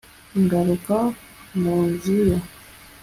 ntagaruka mu nzu ye